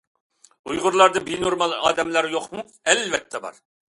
ئۇيغۇرلاردا بىنورمال ئادەملەر يوقمۇ؟ ئەلۋەتتە بار.